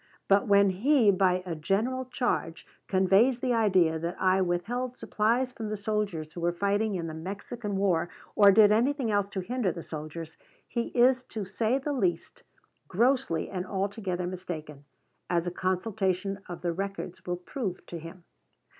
But when he, by a general charge, conveys the idea that I withheld supplies from the soldiers who were fighting in the Mexican War, or did anything else to hinder the soldiers, he is, to say the least, grossly and altogether mistaken, as a consultation of the records will prove to him.